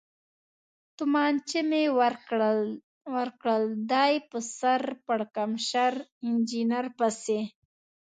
تومانچه مې ورکړل، دی په سر پړکمشر انجنیر پسې.